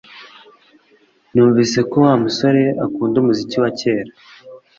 Numvise ko Wa musore akunda umuziki wa kera